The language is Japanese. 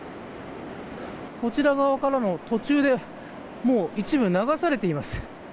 こちら側からの途中で一部は流されています。